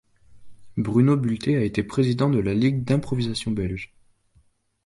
Bruno Bulté a été président de la Ligue d'improvisation belge.